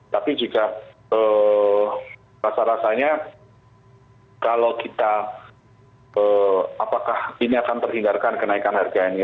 tapi juga rasa rasanya kalau kita apakah ini akan terhindarkan kenaikan harga ini